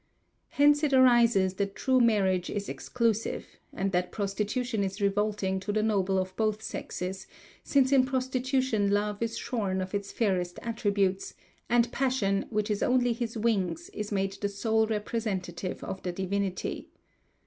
Hence it arises that true marriage is exclusive, and that prostitution is revolting to the noble of both sexes, since in prostitution love is shorn of his fairest attributes, and passion, which is only his wings, is made the sole representative of the divinity.